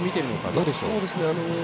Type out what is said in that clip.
どうでしょう？